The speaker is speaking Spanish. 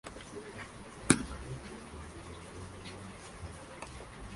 La jurisprudencia del Tribunal Constitucional ha sido muy amplia.